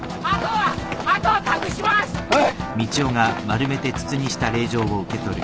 はい！